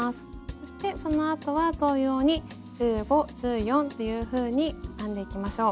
そしてそのあとは同様に１５１４っていうふうに編んでいきましょう。